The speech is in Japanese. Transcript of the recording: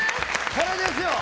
これですよ！